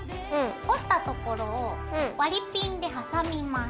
折ったところを割りピンで挟みます。